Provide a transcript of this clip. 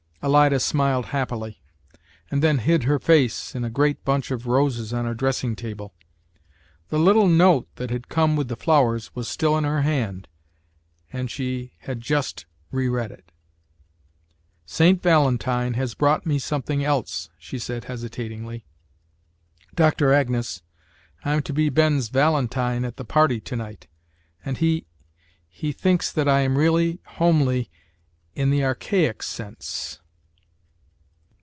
Alida smiled happily, and then hid her face in a great bunch of roses on her dressing table. The little note that had come with the flowers was still in her hand, and she had just reread it. "St. Valentine has brought me something else," she said, hesitatingly. "Doctor Agnes, I'm to be Ben's valentine at the party to night, and he he thinks that I am really homely in the archaic sense."